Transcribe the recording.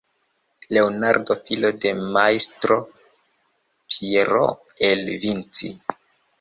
Leonardo, filo de majstro Piero, el Vinci.